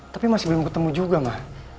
tapi masih belum ketemu juga mah